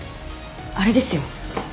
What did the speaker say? あれですよ。